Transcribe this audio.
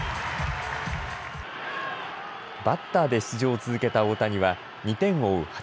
バッターで出場を続けた大谷は、２点を追う